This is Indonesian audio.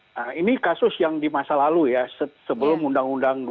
nah ini kasus yang di masa lalu ya sebelum undang undang dua puluh enam